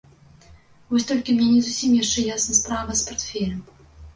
Вось толькі мне не зусім яшчэ ясна справа з партфелем.